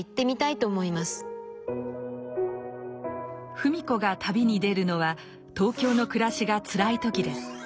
芙美子が旅に出るのは東京の暮らしがつらい時です。